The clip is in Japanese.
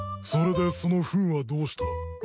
それでそのふんはどうした？